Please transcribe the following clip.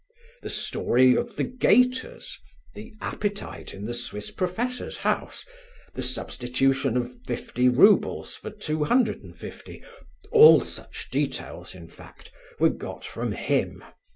The story of the gaiters, the appetite in the Swiss professor's house, the substitution of fifty roubles for two hundred and fifty—all such details, in fact, were got from him.